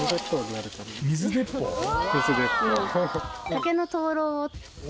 竹の灯籠を。